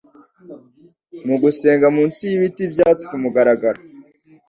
Mugusenga munsi yibiti byatsi kumugaragaro.